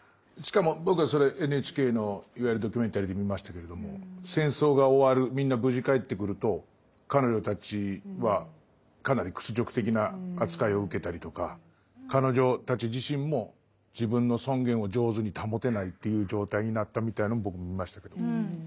しかも僕はそれＮＨＫのいわゆるドキュメンタリーで見ましたけれども戦争が終わるみんな無事帰ってくると彼女たちはかなり屈辱的な扱いを受けたりとか彼女たち自身も自分の尊厳を上手に保てないっていう状態になったみたいの僕見ましたけど。